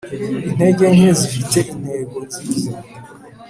intege nke zifite intego nziza,